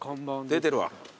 出てるわ。